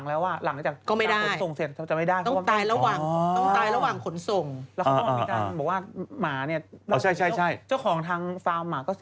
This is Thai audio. เพราะหมามันไม่สามารถเกลือในจำนวนมาก